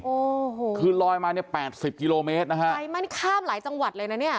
โอ้โหคือลอยมาเนี่ยแปดสิบกิโลเมตรนะฮะไฟมันข้ามหลายจังหวัดเลยนะเนี่ย